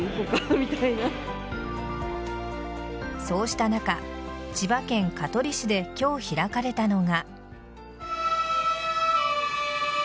そうした中、千葉県香取市で今日開かれたのが。